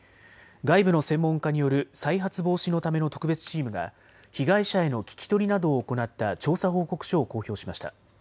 外部の専門家による再発防止のための特別チームが被害者への聞き取りなどを行った調査報告書を公表しました。